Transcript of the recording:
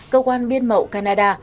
cơ quan biên mậu canada